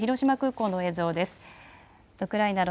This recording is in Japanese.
現在の広島空港の映像です。